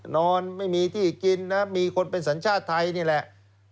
นอนไม่มีที่กินนะมีคนเป็นสัญชาติไทยนี่แหละ